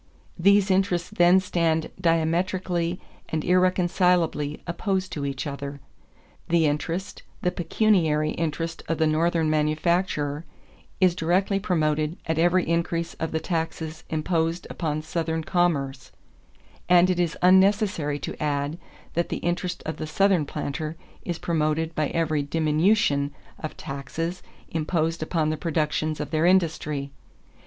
These interests then stand diametrically and irreconcilably opposed to each other. The interest, the pecuniary interest of the Northern manufacturer, is directly promoted by every increase of the taxes imposed upon Southern commerce; and it is unnecessary to add that the interest of the Southern planter is promoted by every diminution of taxes imposed upon the productions of their industry.